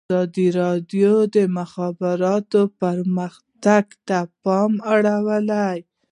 ازادي راډیو د د مخابراتو پرمختګ ته پام اړولی.